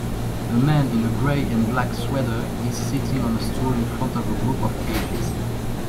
A man in a gray and black sweater is sitting on a stool in front of a group of cages